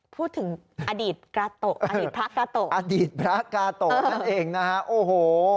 พูดถึงอดีตกาโตะอดีตพระกาโตะอดีตพระกาโตะนั่นเองนะฮะโอ้โห